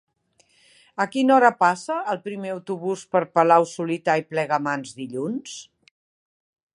A quina hora passa el primer autobús per Palau-solità i Plegamans dilluns?